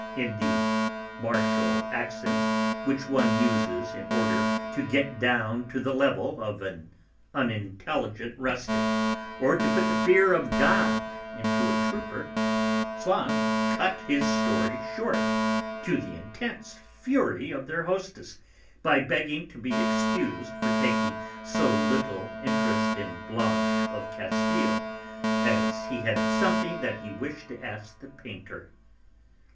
in the martial accents which one uses in order to get down to the level of an unintelligent rustic or to put the 'fear of God' into a trooper, Swann cut his story short, to the intense fury of their hostess, by begging to be excused for taking so little interest in Blanche of Castile, as he had something that he wished to ask the painter.